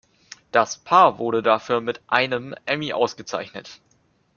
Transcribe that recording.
Das Paar wurde dafür mit einem Emmy ausgezeichnet.